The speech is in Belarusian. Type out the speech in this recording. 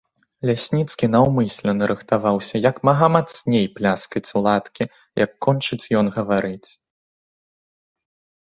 Лясніцкі наўмысля нарыхтаваўся як мага мацней пляскаць у ладкі, як кончыць ён гаварыць.